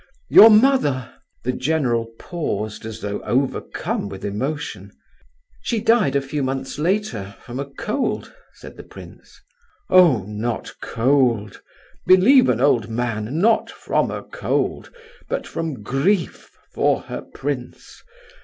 Your mother—" The general paused, as though overcome with emotion. "She died a few months later, from a cold," said the prince. "Oh, not cold—believe an old man—not from a cold, but from grief for her prince.